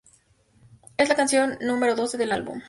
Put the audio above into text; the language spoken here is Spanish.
Es la canción número doce del álbum.